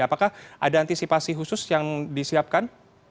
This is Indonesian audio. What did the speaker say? apakah ada antisipasi khusus yang disiapkan